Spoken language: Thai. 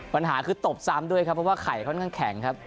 ปัญหาคือตบซ้ำด้วยครับเพราะว่าไข่ค่อนข้างแข็งครับ